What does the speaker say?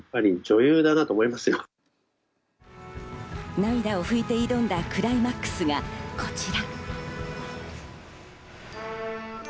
涙をふいて挑んだクライマックスがこちら。